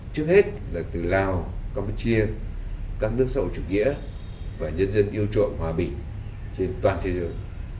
trước hết là từ lào campuchia các nước sâu chủ nghĩa và nhân dân yêu trộm hòa bình trên toàn thế giới